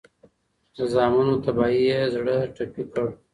د زامنو تباهي یې زړه ټپي کړ